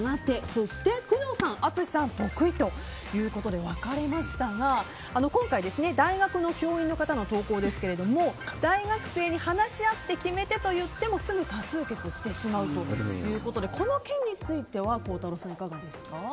そして、工藤さん、淳さんが得意ということで分かれましたが今回大学の教員の方の投稿ですが大学生に話し合って決めてと言ってもすぐ多数決してしまうということでこの件については孝太郎さん、いかがですか。